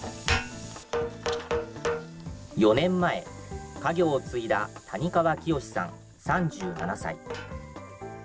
４年前、家業を継いだ谷川清さん３７歳。